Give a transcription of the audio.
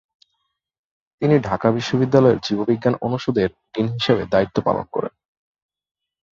তিনি ঢাকা বিশ্ববিদ্যালয়ের জীববিজ্ঞান অনুষদের ডিন হিসেবে দায়িত্ব পালন করেন।